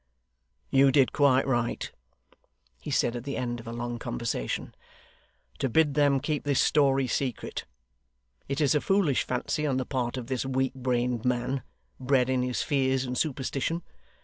'You did quite right,' he said, at the end of a long conversation, 'to bid them keep this story secret. It is a foolish fancy on the part of this weak brained man, bred in his fears and superstition.